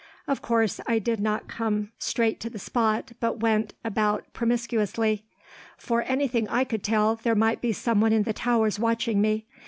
Of course, I did not come straight to the spot, but went about promiscuously. "For anything I could tell, there might be someone in the towers watching me.